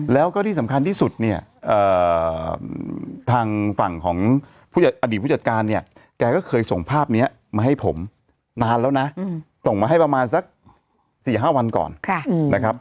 แล้วก็ที่สำคัญที่สุดเนี่ยทางฝั่งของอดีตผู้จัดการเนี่ยแกก็เคยส่งภาพนี้มาให้ผมนานแล้วนะส่งมาให้ประมาณสัก๔๕วันก่อนนะครับ